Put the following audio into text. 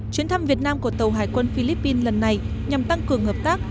chuyến thăm việt nam của tàu hải quân philippines lần này nhằm tăng cường hợp tác